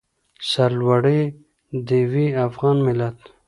سرلوړی دې وي افغان ملت.